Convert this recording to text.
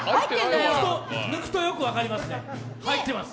抜くとよく分かりますね、入ってます。